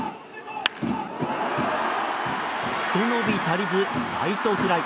ひと伸び足りずライトフライ。